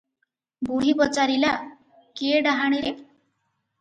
ବୁଢୀ ପଚାରିଲା - କିଏ ଡାହାଣୀରେ?